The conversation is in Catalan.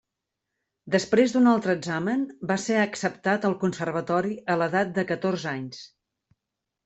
Després d'una altra examen, va ser acceptat al Conservatori a l'edat de catorze anys.